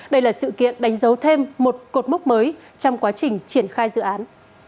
đây là sự kiện đánh dấu thêm một cột mốc mới trong quá trình triển khai dự án